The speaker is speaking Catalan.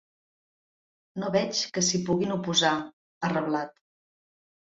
No veig que s’hi puguin oposar, ha reblat.